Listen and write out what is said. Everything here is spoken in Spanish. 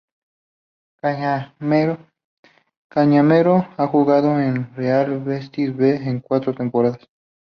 Cañamero ha jugado en el Real Betis B en cuatro temporadas.